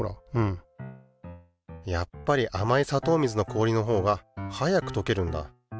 やっぱりあまいさとう水の氷のほうが早くとけるんだ。